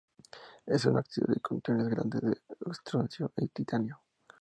Es un óxido de cationes grandes de estroncio y titanio.